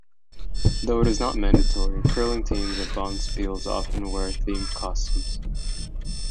Though it is not mandatory, curling teams at bonspiels often wear themed costumes.